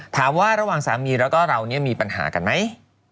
ถามว่าระหว่างสามีแล้วก็เราเนี่ยมีปัญหากันไหม